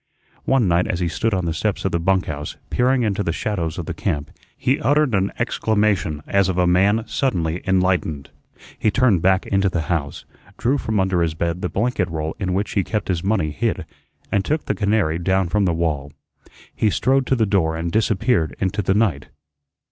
One night as he stood on the steps of the bunk house, peering into the shadows of the camp, he uttered an exclamation as of a man suddenly enlightened. He turned back into the house, drew from under his bed the blanket roll in which he kept his money hid, and took the canary down from the wall. He strode to the door and disappeared into the night.